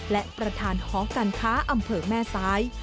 และประธานหอการค้าอำเภอแม่ซ้าย